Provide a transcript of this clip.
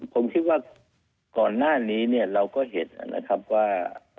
ผมคิดว่าก่อนหน้านี้เนี่ยเราก็เห็นนะครับว่า